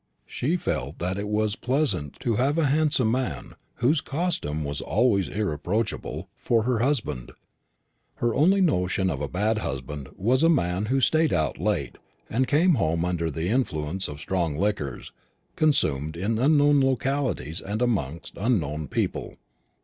She felt that it was pleasant to have a handsome man, whose costume was always irreproachable, for her husband. Her only notion of a bad husband was a man who stayed out late, and came home under the influence of strong liquors consumed in unknown localities and amongst unknown people.